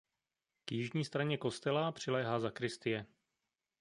K jižní straně kostela přiléhá sakristie.